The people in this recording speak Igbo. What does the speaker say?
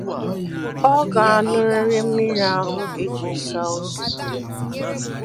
ọ ga-añụrịrị mmiri ahụ e jiri saa ozu